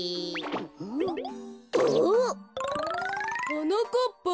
はなかっぱ「